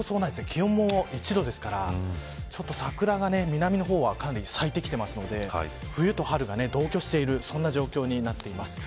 気温も１度ですから桜が、南の方はかなり咲いてきているので冬と春が同居しているそんな状況になっています。